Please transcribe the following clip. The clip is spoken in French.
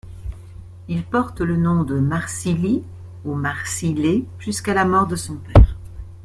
Il porte le nom de Marcilly ou Marcillé jusqu'à la mort de son père.